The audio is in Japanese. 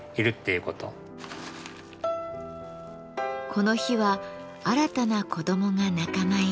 この日は新たな子どもが仲間入り。